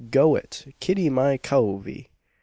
Go it, Kitty my covy!"